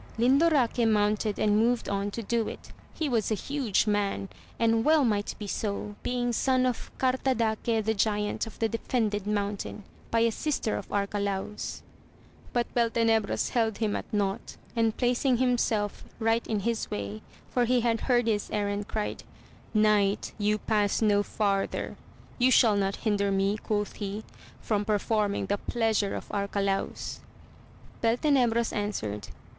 Lindoraque mounted and moved on to do it : he was a huge man, and well might be so, being son of Gartadaque the giant of the defended mountain, by a sister of Arcalaus. But Beltenebros held him at nought, and placing •48 AMADIS OF GAUL himself right in his way, for he had heard his errand^ cried, Knight, you pass no farther ! You shall not hinder me, quoth he, from performing the pleasure of Arcalaus. Beltenebros answered.